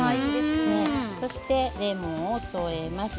そしてレモンを添えます。